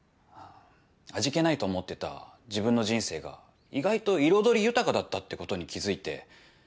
味気ないと思ってた自分の人生が意外と彩り豊かだったってことに気付いて。